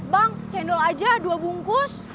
bang cendol aja dua bungkus